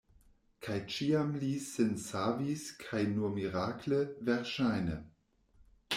Kaj ĉiam li sin savis kaj nur mirakle, verŝajne.